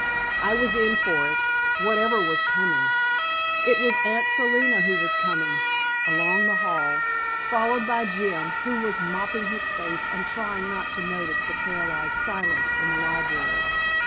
I was in for it, whatever was coming. It was Aunt Selina who was coming along the hall, followed by Jim, who was mopping his face and trying not to notice the paralyzed silence in the library.